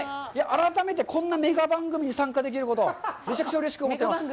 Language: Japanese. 改めて、こんなメガ番組に参加できること、むちゃくちゃうれしく思ってます。